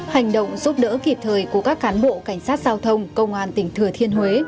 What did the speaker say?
hành động giúp đỡ kịp thời của các cán bộ cảnh sát giao thông công an tỉnh thừa thiên huế